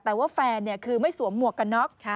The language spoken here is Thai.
แต่ว่าแฟนคือไม่สวมหมวกกันน็อก